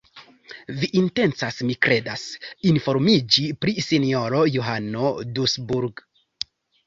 Vi intencas, mi kredas, informiĝi pri sinjoro Johano Dusburg.